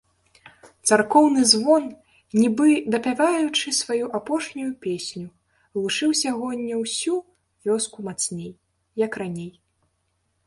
Царкоўны звон, нібы дапяваючы сваю апошнюю песню, глушыў сягоння ўсю вёску мацней, як раней.